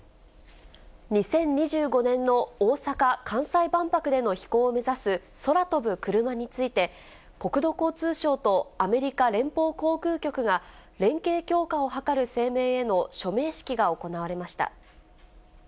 ２０２５年の大阪・関西万博での飛行を目指す空飛ぶクルマについて、国土交通省とアメリカ連邦航空局が連携強化を図る声明への署名式が行われました。